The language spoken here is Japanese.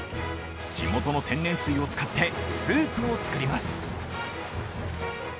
地元の天然水を使ってスープを作ります。